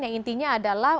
yang intinya adalah